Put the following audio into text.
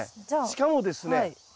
しかもですね